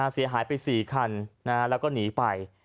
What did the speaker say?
เสียหายไป๔คันแล้วก็หนีไป